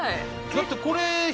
だってこれ。